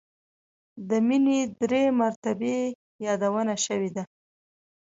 د مینې درې مرتبې یادونه شوې ده.